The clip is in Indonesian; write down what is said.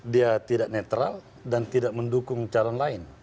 dia tidak netral dan tidak mendukung calon lain